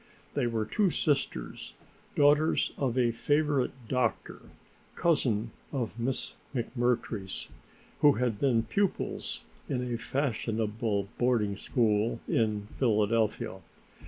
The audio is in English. They were two sisters, daughters of a favorite doctor, cousin of Miss McMurtry's, who had been pupils in a fashionable boarding school in Philadelphia.